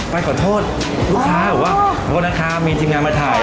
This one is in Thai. ไปขอโทษลูกค้าบอกว่าขอโทษนะคะมีทีมงานมาถ่าย